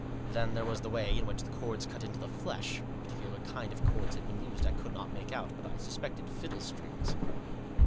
Then there was the way in which the cords cut into the flesh — what particular kind of cords had been used I could not make out, but I suspected fiddle strings.